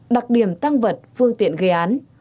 đặc điểm tăng vật phương tiện gây án